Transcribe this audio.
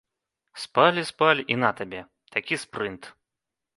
Спалі-спалі, і на табе, такі спрынт!